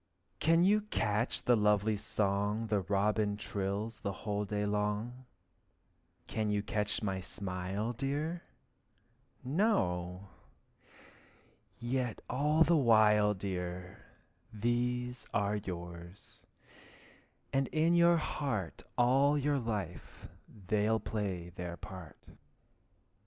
Can you catch the lovely song Robin trills the whole day long? Can you catch my smile, dear? No! yet all the while, dear, These are yours, and in your heart All your life they'll play their part.